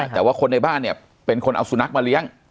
แต่ว่าคนในบ้านเนี่ยเป็นคนเอาสุนัขมาเลี้ยง